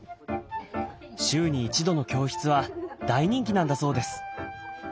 週に一度の教室は大人気なんだそうです。